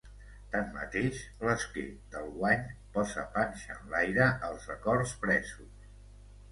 Tanmateix, l'esquer del guany posa panxa enlaire els acords presos.